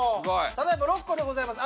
ただいま６個でございます。